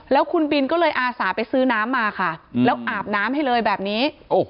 แล้วคุณบินก็เลยอาสาไปซื้อน้ำมาค่ะแล้วอาบน้ำให้เลยแบบนี้